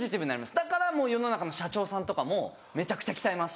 だから世の中の社長さんとかもめちゃくちゃ鍛えますし。